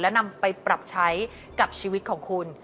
แล้วนำไปปรับใช้กับชีวิตของคุณ